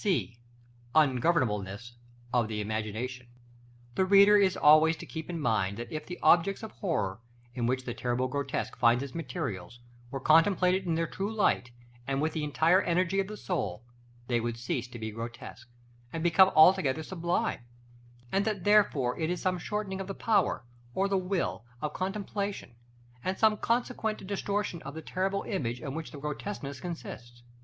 § LIX. (C). Ungovernableness of the imagination. The reader is always to keep in mind that if the objects of horror, in which the terrible grotesque finds its materials, were contemplated in their true light, and with the entire energy of the soul, they would cease to be grotesque, and become altogether sublime; and that therefore it is some shortening of the power, or the will, of contemplation, and some consequent distortion of the terrible image in which the grotesqueness consists.